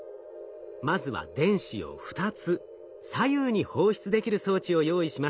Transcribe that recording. まずは電子を２つ左右に放出できる装置を用意します。